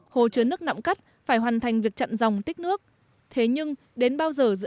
hai nghìn một mươi năm hồi chứa nước nặm cắt phải hoàn thành việc chặn dòng tích nước thế nhưng đến bao giờ dự